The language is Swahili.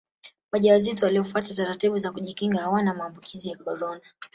wajawazito waliyofuata taratibu za kujikinga hawana maambukizi ya korona